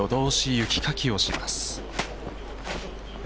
雪かきをします。